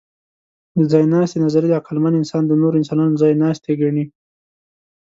د ځایناستي نظریه عقلمن انسان د نورو انسانانو ځایناستی ګڼي.